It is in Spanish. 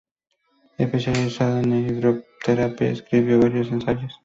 Especializado en hidroterapia, escribió varios ensayos.